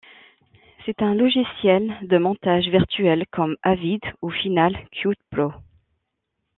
C'est un logiciel de montage virtuel comme Avid ou Final Cut Pro.